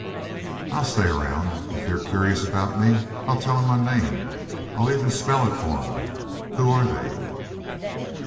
"I'll stay aroun'. If they're curious about me, I'll tell 'em my name I'll even spell it for 'em. Who are they?"